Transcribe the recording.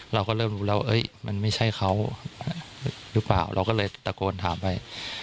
เราก็เริ่มรู้แล้วมันไม่ใช่เขาหรือเปล่าเราก็เลยตะโกนถามไป